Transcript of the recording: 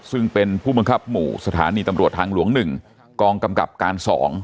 ซึ่งเป็นผู้บังคับหมู่สถานีตำรวจทางหลวง๑กองกำกับการ๒